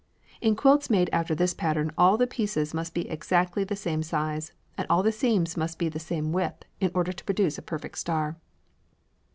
In quilts made after this pattern all the pieces must be exactly the same size and all the seams must be the same width in order to produce a perfect star.